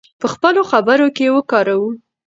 په خپلو خبرو کې یې وکاروو.